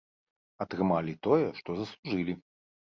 Атрымалі тое, што заслужылі.